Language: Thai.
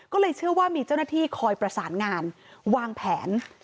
ก็เลยเชื่อว่ามีเจ้าหน้าที่คอยประสานงานวางแผน